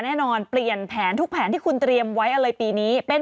แน่นอนเปลี่ยนแผนทุกแผนที่คุณเตรียมไว้อะไรปีนี้เป็น